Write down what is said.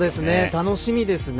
楽しみですね。